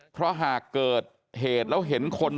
เพราะหากเกิดเหตุแล้วเห็นคน